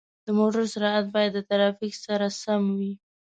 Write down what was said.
د موټر سرعت باید د ترافیک سره سم وي.